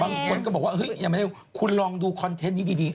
บางคนก็บอกว่าคุณลองดูคอนเทนต์นี้ดี